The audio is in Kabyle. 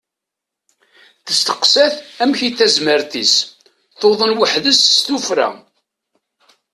Testeqsa-t amek i d tazmert-is, tuḍen weḥdes s tuffra.